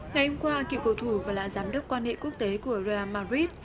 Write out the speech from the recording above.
ngày hôm qua cựu cầu thủ và là giám đốc quan hệ quốc tế của real madrid